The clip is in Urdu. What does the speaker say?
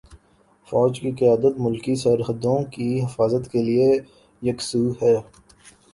فوج کی قیادت ملکی سرحدوں کی حفاظت کے لیے یکسو ہے۔